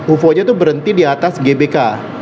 ufo nya itu berhenti di atas gbk